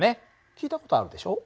聞いた事あるでしょ？